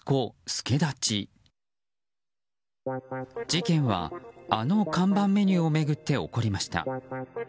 事件はあの看板メニューを巡って起こりました。